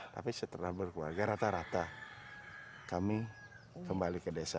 tapi setelah berkeluarga rata rata kami kembali ke desa